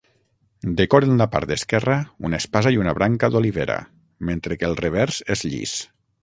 Decoren la part esquerra una espasa i una branca d'olivera, mentre que el revers és llis.